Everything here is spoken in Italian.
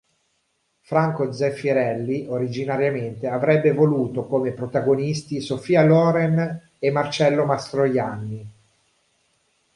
Franco Zeffirelli originariamente avrebbe voluto come protagonisti Sophia Loren e Marcello Mastroianni.